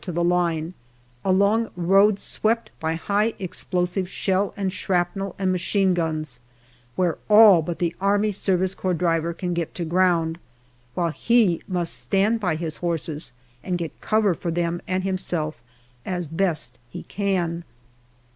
to the line, along roads swept by high explosive shell and shrapnel and machine guns, where all but the A.S.C. driver can get to ground, while he must stand by his horses and get cover for them and himself as best he can.